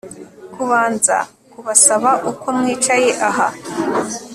kubanza kubasaba uko mwicaye aha